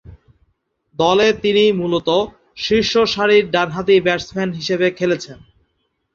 দলে তিনি মূলতঃ শীর্ষসারির ডানহাতি ব্যাটসম্যান হিসেবে খেলছেন।